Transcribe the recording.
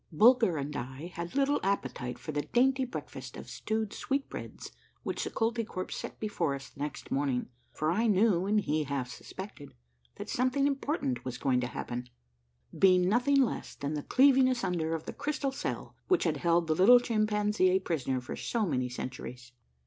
Bulger and I had little appetite for the dainty breakfast of stewed sweetbreads which the Koltykwerps set before us the next morning, for I knew, and he half suspected, that something important was going to happen, being nothing less than the cleaving asunder of the crystal cell which had held the little chimpanzee a prisoner for so many centuries.